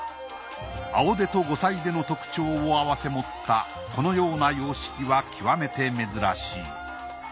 青手と五彩手の特徴をあわせ持ったこのような様式は極めて珍しい。